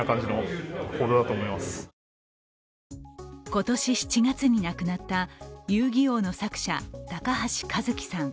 今年７月に亡くなった「遊戯王」の作者、高橋和希さん。